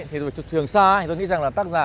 thì từ trường xa tôi nghĩ rằng là tác giả